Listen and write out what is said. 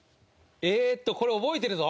えーっとこれ覚えてるぞ！